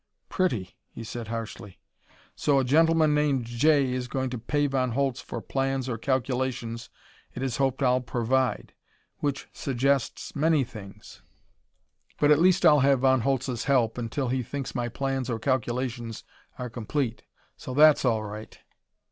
"Pretty!" he said harshly. "So a gentleman named 'J' is going to pay Von Holtz for plans or calculations it is hoped I'll provide! Which suggests many things! But at least I'll have Von Holtz's help until he thinks my plans or calculations are complete. So that's all right...."